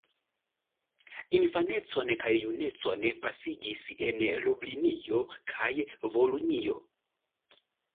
Infanecon kaj junecon pasigis en Lublinio kaj Volinio.